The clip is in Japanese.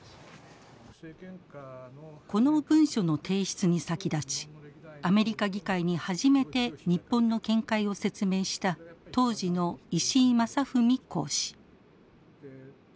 この文書の提出に先立ちアメリカ議会に初めて日本の見解を説明した当時の石井正文公使。